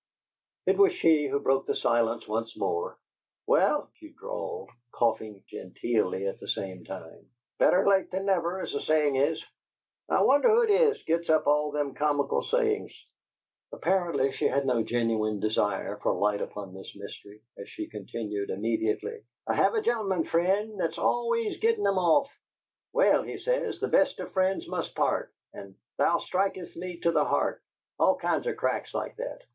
It was she who broke the silence once more. "Well," she drawled, coughing genteelly at the same time, "better late than never, as the saying is. I wonder who it is gits up all them comical sayings?" Apparently she had no genuine desire for light upon this mystery, as she continued, immediately: "I have a gen'leman friend that's always gittin' 'em off. 'Well,' he says, 'the best of friends must part,' and, 'Thou strikest me to the heart' all kinds of cracks like that.